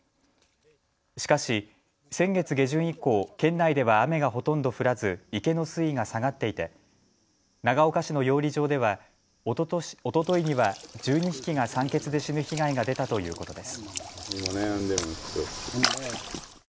しかし先月下旬以降、県内では雨がほとんど降らず池の水位が下がっていて長岡市の養り場ではおとといには１２匹が酸欠で死ぬ被害が出たということです。